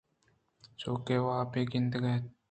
چو کہ وابے گندگ ءَ اِنت